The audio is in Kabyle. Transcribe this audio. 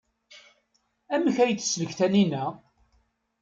Amek ay teslek Taninna?